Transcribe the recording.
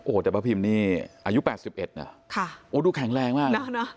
โอ้โหแต่ป้าพิมนี่อายุ๘๑นะโอ้ดูแข็งแรงมาก